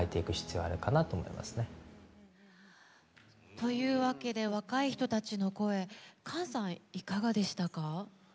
というわけで若い人たちの声菅さん、いかがでしたか？